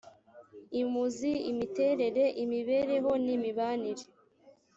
imuzi imiterere imibereho n imibanire